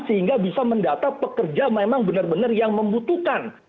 sehingga bisa mendata pekerja memang benar benar yang membutuhkan